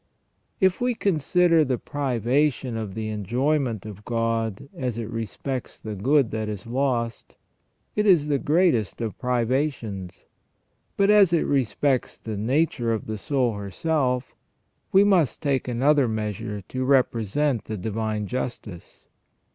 If we consider the privation of the enjoyment of God as it respects the good that is lost, it is the greatest of privations ; but as it respects the nature of the soul herself, we must take another measure to represent the divine justice.